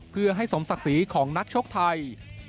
เพื่อให้สมศักดิ์ศรีของนักชกไทย